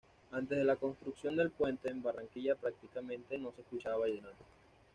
Antes de la construcción del puente, en Barranquilla prácticamente no se escuchaba vallenato.